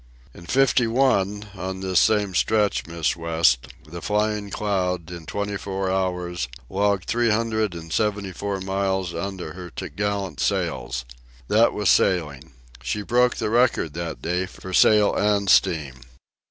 "In '51, on this same stretch, Miss West, the Flying Cloud, in twenty four hours, logged three hundred and seventy four miles under her topgallant sails. That was sailing. She broke the record, that day, for sail an' steam."